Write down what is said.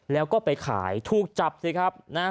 แล้วก็ไปขายถูกจับสิครับนะฮะ